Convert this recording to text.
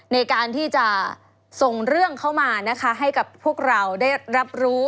ในการที่จะส่งเรื่องเข้ามานะคะให้กับพวกเราได้รับรู้